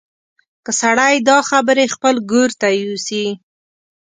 که سړی دا خبرې خپل ګور ته یوسي.